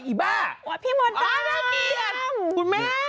เฮ้ยอีบ้าโอ้ยพี่มนต์อ้าวนั่นมีอ่ะคุณแม่